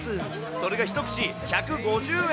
それが１串１５０円。